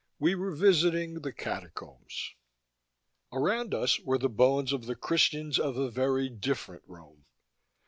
We were visiting the Catacombs. Around us were the bones of the Christians of a very different Rome.